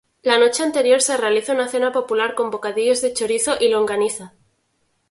La noche anterior se realiza una cena popular con bocadillos de chorizo y longaniza.